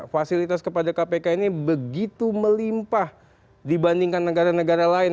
fasilitas kepada kpk ini begitu melimpah dibandingkan negara negara lain